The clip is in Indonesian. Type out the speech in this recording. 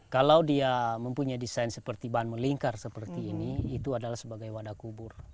kalau dia mempunyai desain seperti bahan melingkar seperti ini itu adalah sebagai wadah kubur